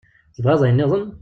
Tebɣiḍ ayen-nniḍen?